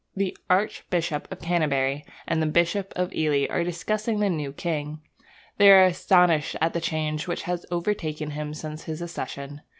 The Archbishop of Canterbury and the Bishop of Ely are discussing the new king. They are astonished at the change which has overtaken him since his accession.